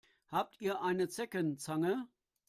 Habt ihr eine Zeckenzange?